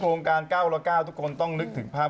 ในโรงการก้าวละก้าวทุกคนต้องนึกถึงภาพ